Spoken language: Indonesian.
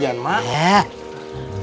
jadi coba saya lihat